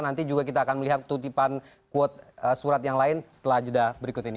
nanti juga kita akan melihat tutipan quote surat yang lain setelah jeda berikut ini